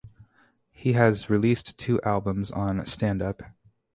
He has released two albums on Stand Up!